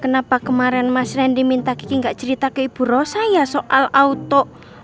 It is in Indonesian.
kenapa kemarin mas randy minta kiki gak cerita ke ibu rosa ya soal auto